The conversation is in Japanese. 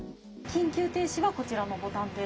緊急停止はこちらのボタンで。